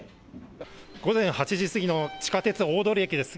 午前８時過ぎの地下鉄大通駅です。